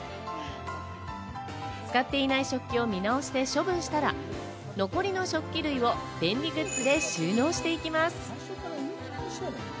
使っていない食器を見直して処分したら、残りの食器類を便利グッズで収納していきます。